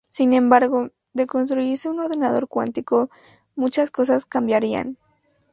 Sin embargo, de construirse un ordenador cuántico, muchas cosas cambiarían.